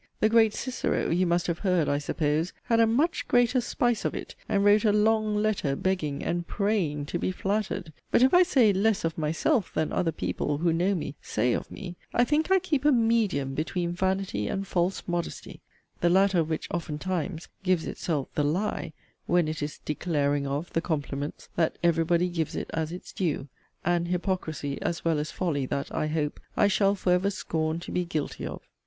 The great Cicero (you must have heard, I suppose) had a 'much greater' spice of it, and wrote a 'long letter begging' and 'praying' to be 'flattered.' But if I say 'less of myself' than other people (who know me) 'say of me,' I think I keep a 'medium' between 'vanity' and 'false modesty'; the latter of which oftentimes gives itself the 'lie,' when it is 'declaring of' the 'compliments,' that 'every body' gives it as its due: an hypocrisy, as well as folly, that, (I hope,) I shall for ever scorn to be guilty of.